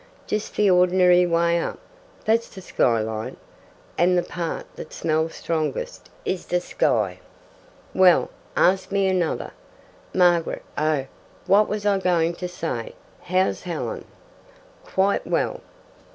"Just the ordinary way up. That's the sky line, and the part that smells strongest is the sky." "Well, ask me another. Margaret oh what was I going to say? How's Helen?" "Quite well."